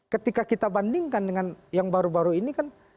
ketika kita bandingkan dengan yang baru baru ini kan